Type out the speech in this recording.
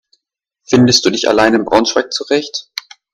Findest du dich allein in Braunschweig zurecht?